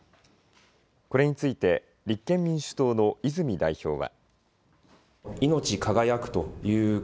これについて立憲民主党の泉代表は。